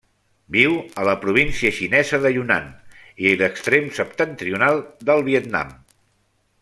Viu a la província xinesa de Yunnan i l'extrem septentrional del Vietnam.